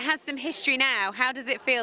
tapi memiliki sejarah sekarang